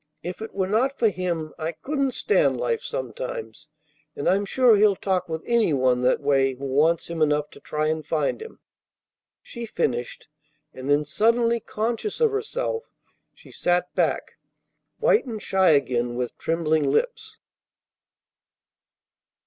If it were not for Him, I couldn't stand life sometimes. And I'm sure He'll talk with any one that way who wants Him enough to try and find Him," she finished; and then, suddenly conscious of herself, she sat back, white and shy again, with trembling lips.